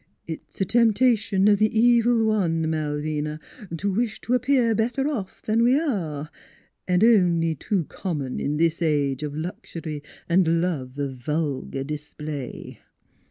" It's a temptation of the Evil One, Malvina, to wish to appear better off than we are, an' only too common in this age of luxury an' love of vulgar dis play."